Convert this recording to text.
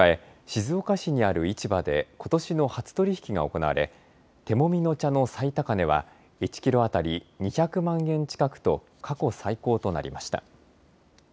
静岡市にある市場でことしの初取り引きが行われ手もみの茶の最高値は１キロ当たり２００万円近くと過去最高となりました。